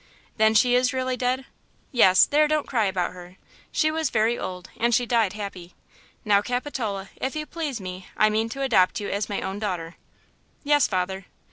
"Then she is really dead?" "Yes. There–don't cry about her. She was very old, and she died happy. Now, Capitola, if you please me I mean to adopt you as my own daughter." "Yes, father."